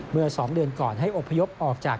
เมื่อ๒เดือนก่อนให้อบพยพออกจาก